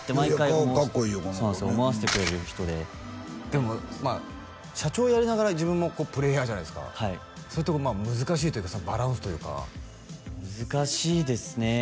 この子ね思わせてくれる人ででも社長やりながら自分もプレーヤーじゃないですかそういうとこ難しいというかバランスというか難しいですね